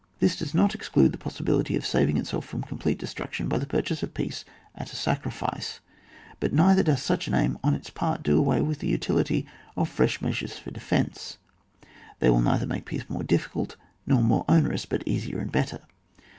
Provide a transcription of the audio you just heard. This does not exclude the possibility of saving itself from complete destruction by the purchase of peace at a sacrifice ; but neither does such an aim on its part do away with the utility of fresh measures for defence ; they will neither make peace more difficult nor more onerous, but easier and better.